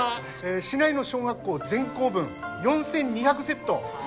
市内の小学校全校分４，２００セット